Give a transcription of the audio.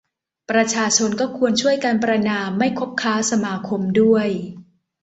ประชาชนก็ควรช่วยกันประณาม ไม่คบค้าสมาคมด้วย